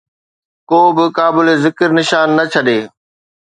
ڪو به قابل ذڪر نشان نه ڇڏي